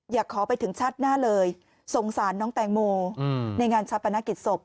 อยากขอไปถึงชาติหน้าเลยสงสารน้องแตงโมในงานชาปนกิจศพ